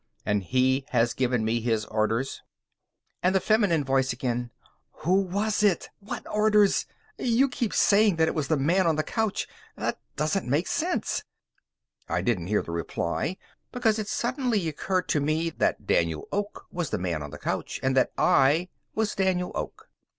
And he has given me his orders._ And the feminine voice again: Who was it? What orders? You keep saying that it was the man on the couch. That doesn't make sense! I didn't hear the reply, because it suddenly occurred to me that Daniel Oak was the man on the couch, and that I was Daniel Oak.